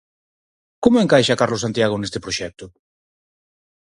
Como encaixa Carlos Santiago neste proxecto?